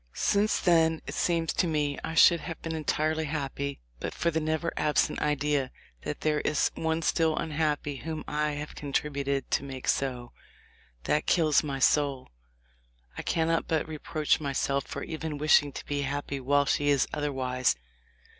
Since then it seems to me I should have been entirely happy but for the never absent idea that there is one still unhappy whom I have contributed to make so. That kills my soul. I cannot but reproach myself for even wishing to be happy while she is otherwise.